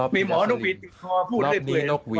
มีหมอนกวีดติดคอพูดเร็ว